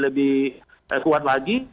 masih lebih kuat lagi